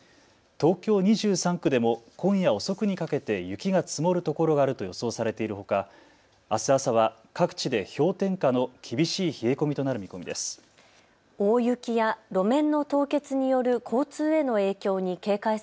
東京２３区でも今夜遅くにかけて雪が積もるところがあると予想されているほか、あす朝は各地で氷点下の厳しい冷え込みとなる見込みです。